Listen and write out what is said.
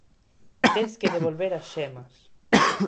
Tes que devolver as xemas